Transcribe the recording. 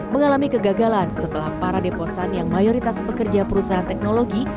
mengalami kegagalan setelah para deposan yang mayoritas pekerja perusahaan teknologi